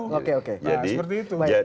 nah seperti itu